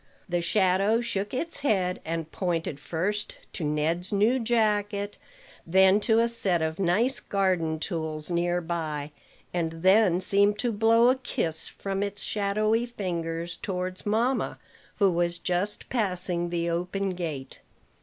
The shadow shook its head, and pointed first to Ned's new jacket, then to a set of nice garden tools near by, and then seemed to blow a kiss from its shadowy fingers towards mamma, who was just passing the open gate.